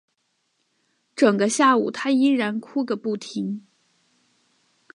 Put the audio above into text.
整个下午她依然哭个不停